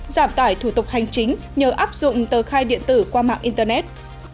giảm tải thủ tục hành chính nhờ áp dụng tờ khai điện tử qua mạng internet